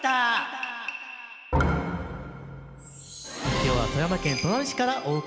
今日は富山県砺波市からお送りしてまいります。